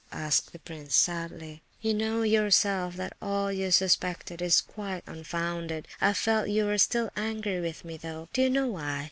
asked the prince, sadly. "You know yourself that all you suspected is quite unfounded. I felt you were still angry with me, though. Do you know why?